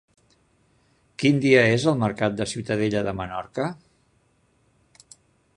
Quin dia és el mercat de Ciutadella de Menorca?